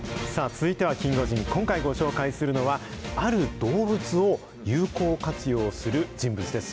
続いてはキンゴジン、今回ご紹介するのは、ある動物を有効活用する人物です。